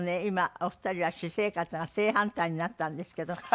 今お二人は私生活が正反対になったんですけど。